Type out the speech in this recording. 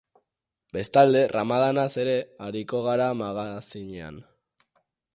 Bestalde, ramadanaz ere ariko gara magazinean.